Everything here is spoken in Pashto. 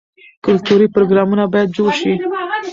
کلتوري پروګرامونه باید جوړ شي.